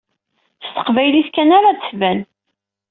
S teqbaylit kan ara ad tban.